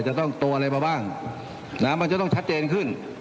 จะต้องโตอะไรบ้างนะครับมันจะต้องชัดเจนขึ้น